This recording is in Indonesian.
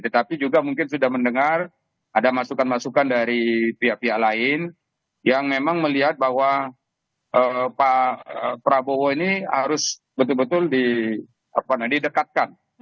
tetapi juga mungkin sudah mendengar ada masukan masukan dari pihak pihak lain yang memang melihat bahwa pak prabowo ini harus betul betul didekatkan